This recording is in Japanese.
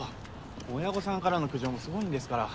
親御さんからの苦情もすごいんですから。